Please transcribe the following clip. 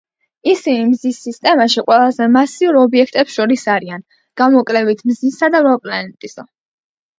ისინი მზის სისტემაში ყველაზე მასიურ ობიექტებს შორის არიან, გამოკლებით მზისა და რვა პლანეტისა.